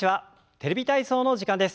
「テレビ体操」の時間です。